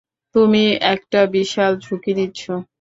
তুমি একটা বিশাল ঝুঁকি নিচ্ছ।